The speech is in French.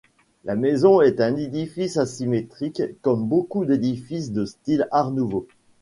La maison est un édifice asymétrique, comme beaucoup d'édifices de style Art nouveau.